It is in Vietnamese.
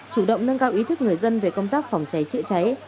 chủ động nâng cao ý thức người dân về công tác phòng cháy chữa cháy